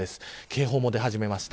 警報も出始めました。